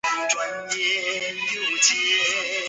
许绍雄成长于九龙城红磡芜湖街一带。